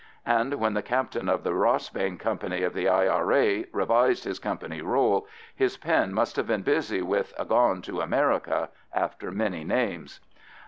And when the captain of the Rossbane Company of the I.R.A. revised his company roll, his pen must have been busy with "gone to America" after many names.